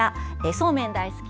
そうめん大好き！